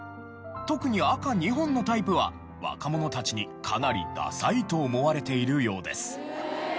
特に赤２本のタイプは若者たちにかなりダサいと思われているようです。